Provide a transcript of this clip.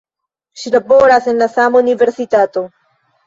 Ŝi laboras en la sama universitato.